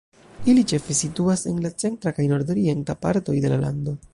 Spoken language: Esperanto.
Ili ĉefe situas en la centra kaj nordorienta partoj de la lando.